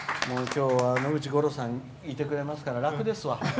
きょうは野口五郎さんいてくれますから楽ですわ。